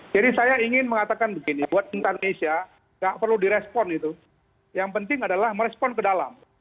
jadi saya ingin mengatakan begini buat indonesia nggak perlu direspon itu yang penting adalah merespon ke dalam